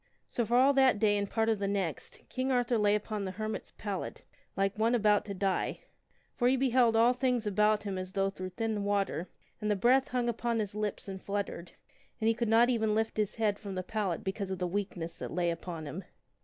So for all that day and part of the next, King Arthur lay upon the her mit's pallet like one about to die ; for he beheld all things about him as though through thin water, and the breath hung upon his lips and flut tered, and he could not even lift his head from the pallet because of the weakness that lay upon him.